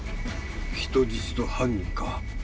人質と犯人か。